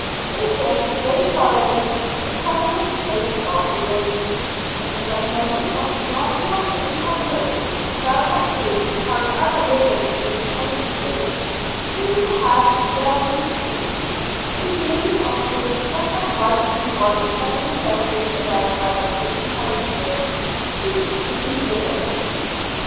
In this they followed the prevalent taste of the age ; and as many of the parochial incumbents, some of whom held other livings in the country, seem to have rarely preached, the yearly offerings that had once been voluntarily rendered to them by their city parisliioners ceased to be given.